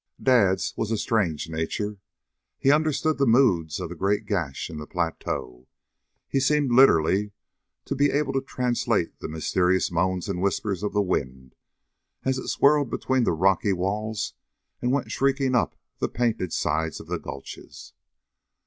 Dad's was a strange nature. He understood the moods of the great gash in the plateau; he seemed literally to be able to translate the mysterious moans and whispers of the wind as it swirled between the rocky walls and went shrieking up the painted sides of the gulches.